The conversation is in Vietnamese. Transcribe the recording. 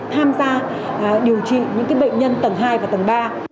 tham gia điều trị những bệnh nhân tầng hai và tầng ba